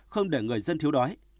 không để người dân thiếu đói